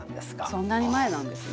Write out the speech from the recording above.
そんなに前なんですね。